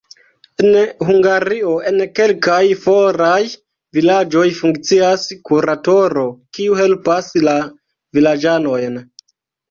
En Hungario en kelkaj foraj vilaĝoj funkcias kuratoro, kiu helpas la vilaĝanojn.